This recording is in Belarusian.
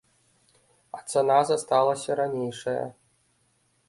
А цана засталася ранейшая.